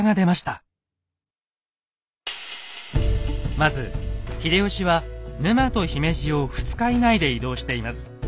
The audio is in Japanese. まず秀吉は沼と姫路を２日以内で移動しています。